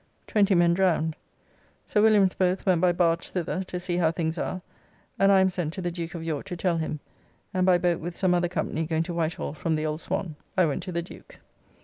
Twenty men drowned. Sir Williams both went by barge thither to see how things are, and I am sent to the Duke of York to tell him, and by boat with some other company going to Whitehall from the Old Swan. I went to the Duke.